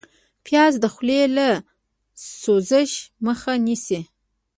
پیاز د خولې له سوزش مخه نیسي